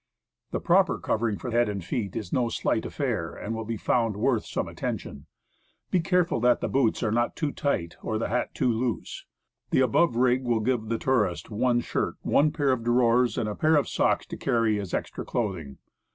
The proper covering for head and feet is no slight affair, and will be found worth some attention. Be careful that the boots are not too tight, or the hat too 6 Woodcraft, loose. The above rig will give the tourist one shirt, one pair of drawers and pair of socks to carry as extra clothing.